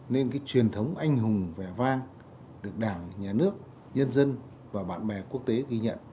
nên cái truyền thống anh hùng vẻ vang được đảng nhà nước nhân dân và bạn bè quốc tế ghi nhận